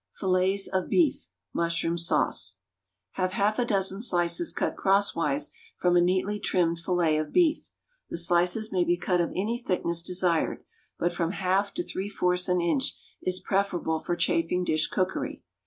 =Fillets of Beef, Mushroom Sauce.= Have half a dozen slices cut crosswise from a neatly trimmed fillet of beef. The slices may be cut of any thickness desired, but from half to three fourths an inch is preferable for chafing dish cookery.